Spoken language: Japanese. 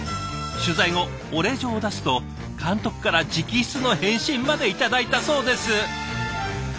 取材後お礼状を出すと監督から直筆の返信まで頂いたそうです。